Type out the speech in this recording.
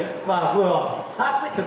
và vừa phát với trực tuyến của sống trở thân